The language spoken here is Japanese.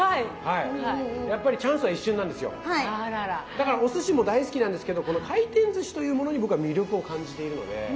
だからおすしも大好きなんですけどこの回転ずしというものに僕は魅力を感じているので。